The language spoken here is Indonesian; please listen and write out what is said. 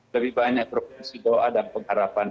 lebih banyak provinsi doa dan pengharapan